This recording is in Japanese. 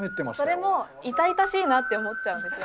それも痛々しいなって思っちゃうんですよ。